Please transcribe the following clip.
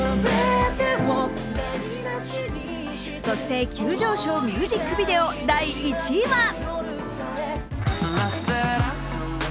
そして急上昇ミュージックビデオ第１位は？